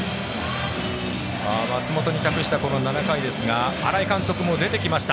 松本に託した７回ですが新井監督も出てきました。